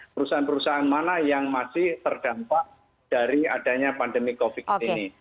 perusahaan perusahaan mana yang masih terdampak dari adanya pandemi covid ini